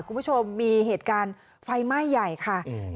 คุณผู้ชมมีเหตุการณ์ไฟไหม้ใหญ่ค่ะอืม